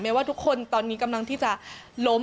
ว่าทุกคนตอนนี้กำลังที่จะล้ม